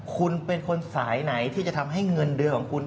คุณเป็นคนสายไหนที่จะทำให้เงินเดือนของคุณ